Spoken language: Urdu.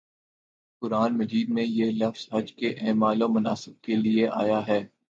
قرآنِ مجید میں یہ لفظ حج کے اعمال و مناسک کے لیے آیا ہے